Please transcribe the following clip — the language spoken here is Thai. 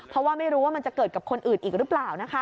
เพราะว่าไม่รู้ว่ามันจะเกิดกับคนอื่นอีกหรือเปล่านะคะ